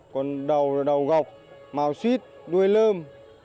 còn đầu là đầu gọc màu suýt đuôi lơm